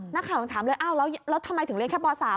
นักข่าวยังถามเลยอ้าวแล้วทำไมถึงเรียนแค่ป๓